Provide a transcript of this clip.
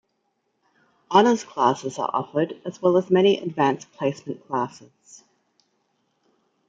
Honors classes are offered as well as many Advanced Placement classes.